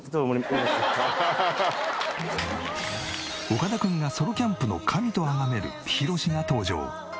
岡田君がソロキャンプの神とあがめるヒロシが登場。